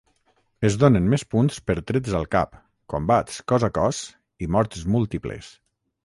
Es donen més punts per trets al cap, combats cos a cos i morts múltiples.